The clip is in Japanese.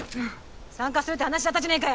参加するって話だったじゃねぇか。